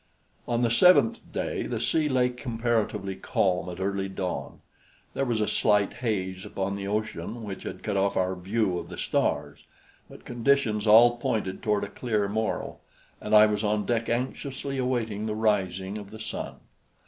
On the seventh day the sea lay comparatively calm at early dawn. There was a slight haze upon the ocean which had cut off our view of the stars; but conditions all pointed toward a clear morrow, and I was on deck anxiously awaiting the rising of the sun.